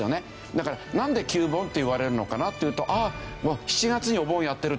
だからなんで旧盆っていわれるのかなっていうとああ７月にお盆やってる所もあるんだとか